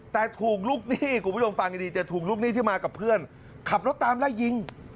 แต่ภูมิลูกหนี้ที่มากับเพื่อนขับรถตามไร้ยิง